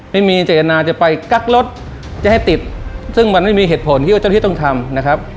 ไม่มีเจตนาจะไปกั๊กรถจะให้ติดซึ่งมันไม่มีเหตุผลที่ว่าเจ้าที่ต้องทำนะครับ